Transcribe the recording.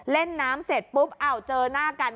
เล่นน้ำเสร็จปุ๊บเจอหน้ากัน